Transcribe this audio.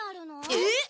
えっ！？